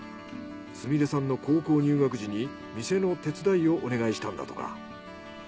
菫さんの高校入学時に店の手伝いをお願いしたんだとか。